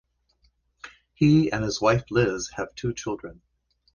He and his wife Liz have two children.